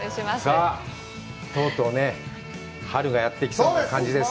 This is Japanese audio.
さあ、とうとう春がやってきそうな感じです。